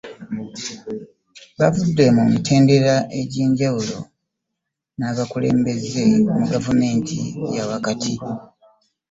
Bavudde mu mitendera egy'enjawulo n'abakulembeze mu gavumenti ya wakati